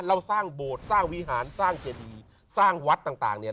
เราสร้างโบสถ์สร้างวิหารสร้างเจดีสร้างวัดต่างเนี่ย